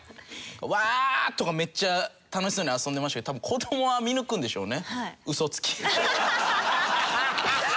うわ！とかめっちゃ楽しそうに遊んでましたけど多分子どもは見抜くんでしょうね。